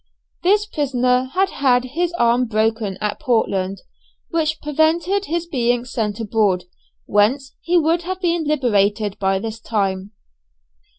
This prisoner had had his arm broken at Portland, which prevented his being sent abroad, whence he would have been liberated by this time.